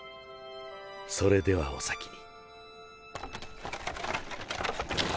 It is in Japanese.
それではお先に。